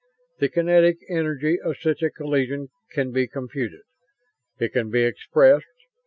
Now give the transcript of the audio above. The kinetic energy of such a collision can be computed. It can be expressed.